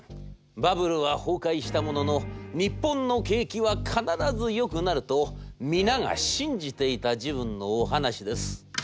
バブルは崩壊したものの日本の景気は必ずよくなると皆が信じていた時分のお話です。